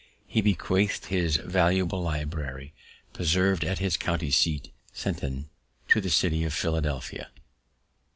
He bequeathed his valuable library, preserved at his country seat, "Senton", to the city of Philadelphia.